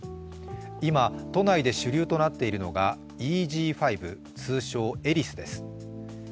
今、都内で主流となっているのがＥＧ．５、通称エリスです。